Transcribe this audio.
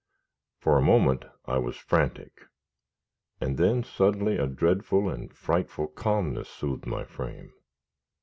For a moment I was frantic, and then suddenly a dreadful and frightful calmness soothed my frame.